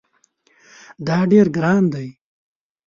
دا ډیر ګران دی